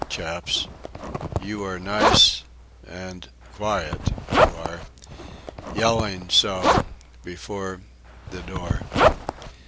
chaps. You... are nice... and... quiet... you are! Yelling so... before... the door...."